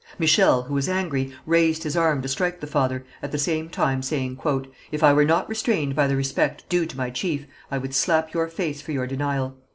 Michel, who was angry, raised his arm to strike the father, at the same time saying, "If I were not restrained by the respect due to my chief, I would slap your face for your denial."